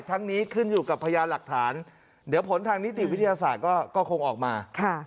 นี้ขึ้นอยู่กับพยานหลักฐานเดี๋ยวผลทางนิติวิทยาศาสตร์ก็คงออกมา